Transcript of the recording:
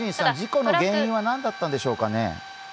事故の原因はなんだったんでしょうかね？